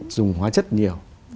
dùng hóa chất nhiều